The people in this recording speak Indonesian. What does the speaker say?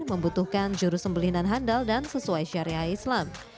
membutuhkan juru sembelinan handal dan sesuai syariah islam